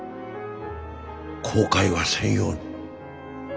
後悔はせんように。